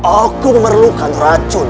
aku memerlukan racun